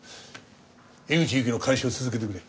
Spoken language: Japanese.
江口ゆきの監視を続けてくれ。